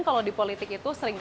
kalau kita tidak menurut